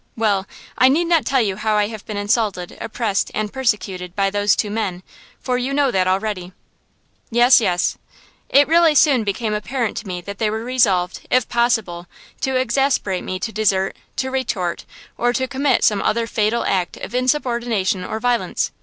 "Well, I need not tell you how I have been insulted, oppressed and persecuted by those two men, for you know that already." "Yes, yes!" "It really soon became apparent to me that they were resolved, if possible, to exasperate me to desert, to retort, or to commit some other fatal act of insubordination or violence.